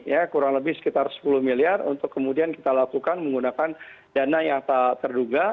ya kurang lebih sekitar sepuluh miliar untuk kemudian kita lakukan menggunakan dana yang tak terduga